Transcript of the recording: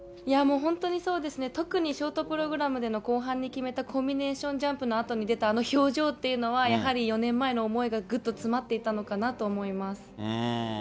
もう本当にそうですね、特にショートプログラムでの、後半で決めたコンビネーションジャンプのあとに出たあの表情っていうのは、やはり４年前の思いがぐっと詰まっていたのかなと思います。